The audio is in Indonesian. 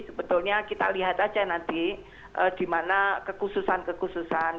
sebetulnya kita lihat aja nanti di mana kekhususan kekhususan